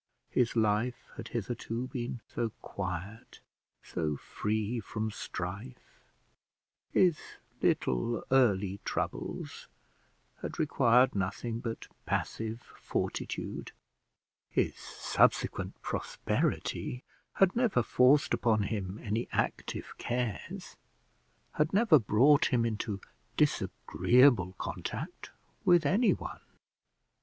His life had hitherto been so quiet, so free from strife; his little early troubles had required nothing but passive fortitude; his subsequent prosperity had never forced upon him any active cares, had never brought him into disagreeable contact with anyone.